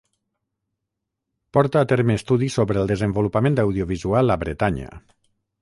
Porta a terme estudis sobre el desenvolupament audiovisual a Bretanya.